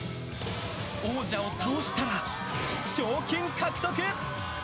王者を倒したら、賞金獲得！